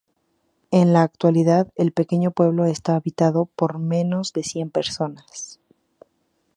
En la actualidad el pequeño pueblo está habitado por menos de cien personas.